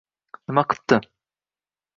Nima qipti